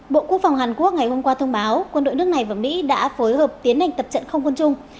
bộ quốc phòng hàn quốc ngày hôm qua thông báo quân đội nước này và mỹ đã phối hợp tiến hành tập trận không quân chung